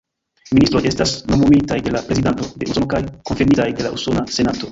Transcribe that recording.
Ministroj estas nomumitaj de la Prezidanto de Usono kaj konfirmitaj de la Usona Senato.